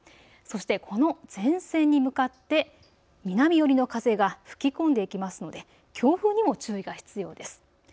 そしてこの前線に向かって南寄りの風が吹き込んできますので強風にも注意が必要です。